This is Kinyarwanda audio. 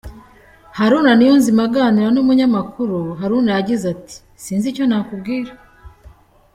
Haruna Niyonzima aganira n’umunyamakuru, Haruna yagize ati : “Sinzi icyo nakubwira.